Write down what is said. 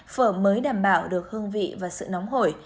phở mới đảm bảo được hương vị và sự nóng hổi